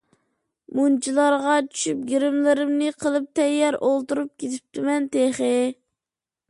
مۇنچىلارغا چۈشۈپ، گىرىملىرىمنى قىلىپ تەييار ئولتۇرۇپ كېتىپتىمەن تېخى.